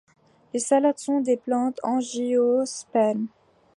Les salades sont des plantes angiospermes.